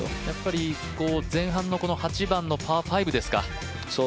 やっぱり、前半の８番のパー５ですか。